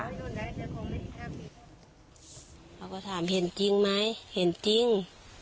เราก็ถามเห็นจริงไหมเห็นจริง